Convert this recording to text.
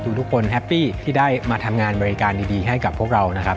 ทุกคนแฮปปี้ที่ได้มาทำงานบริการดีให้กับพวกเรานะครับ